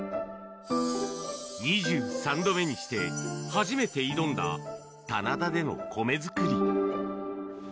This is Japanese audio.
２３度目にして、初めて挑んだ、棚田での米作り。